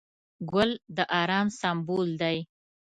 ګل د ارام سمبول دی.